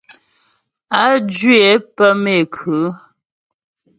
Á jwǐ é pə́ méku.